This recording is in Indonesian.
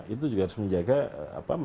itu juga harus menjaga kedekatan yang sama